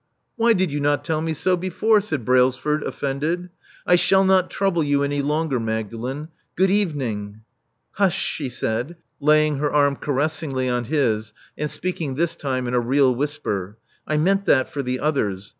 Why did you not tell me so before?" said Brails ford, offended. I shall not trouble you any longer, Magdalen. Good evening. '' Hush," she said, laying her arm caressingly on his, and speaking this time in a real whisper. "I meant that for the others.